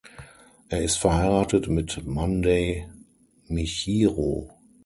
Er ist verheiratet mit Monday Michiru.